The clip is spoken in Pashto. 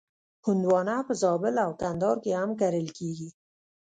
هندوانه په زابل او کندهار کې هم کرل کېږي.